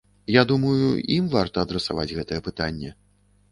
Я думаю, ім варта адрасаваць гэтае пытанне.